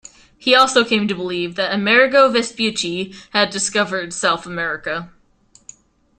He also came to believe that Amerigo Vespucci had discovered South America.